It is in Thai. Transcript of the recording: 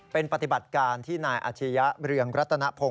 เป็นปฏิบัติการที่นายอาชียะเรืองรัตนพงศ